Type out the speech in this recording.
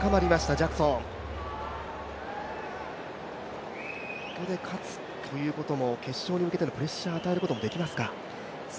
ジャクソンここで勝つということも決勝に向けてのプレッシャーを与えることができますか。